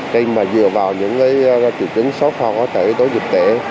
khi mà dựa vào những triệu chứng số kho có thể tối dịch tễ